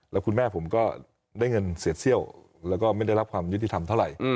แล้วคุณแม่ผมก็ได้เงินเสียเซี่ยวแล้วก็ไม่ได้รับความยุติธรรมเท่าไหร่